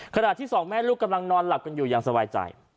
ขณะที่สองแม่ลูกกำลังนอนหลับกันอยู่อย่างสบายใจ